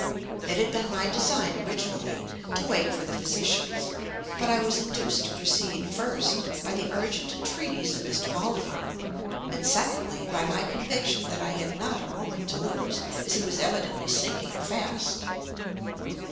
It had been my design, originally, to wait for the physicians; but I was induced to proceed, first, by the urgent entreaties of M. Valdemar, and secondly, by my conviction that I had not a moment to lose, as he was evidently sinking fast.